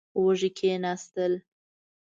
وږي کېناستل.